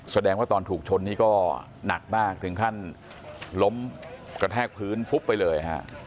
แสดงว่าตอนถูกชนนี่ก็หนักมากถึงขั้นล้มกระแทกพื้นฟุบไปเลยฮะ